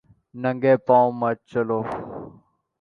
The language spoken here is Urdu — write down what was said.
ننگے پاؤں مت چلو